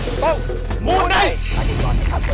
ตรงมูไนท์